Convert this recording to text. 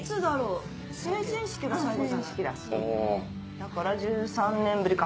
だから１３年ぶりか。